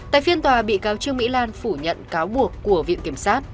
tại phiên tòa bị cáo trương mỹ lan phủ nhận cáo buộc của viện kiểm sát